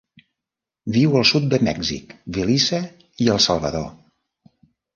Viu al sud de Mèxic, Belize i El Salvador.